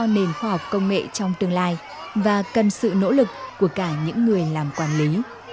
nền khoa học công nghệ trong tương lai và cần sự nỗ lực của cả những người làm quản lý